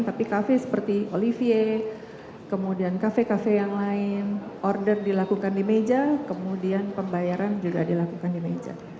tapi kafe seperti olivier kemudian kafe kafe yang lain order dilakukan di meja kemudian pembayaran juga dilakukan di meja